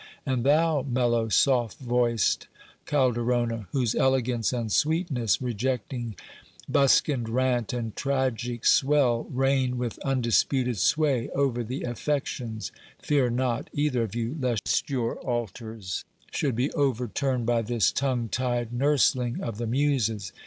and thou, mellow, soft voiced Calderona, whose elegance and sweetness, rejecting bus kined rant and tragic swell, reign with undisputed sway over the affections, fear not, either of you, lest your altars should be overturned by this tongue tied nursling of the muses